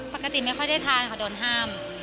ปกติไม่ค่อยได้ทานค่ะโดนห้าม